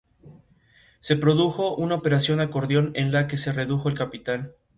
Ota se vio obligada a defenderse en una asamblea en Ratisbona.